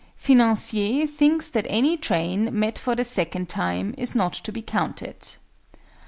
FINANCIER thinks that any train, met for the second time, is not to be counted.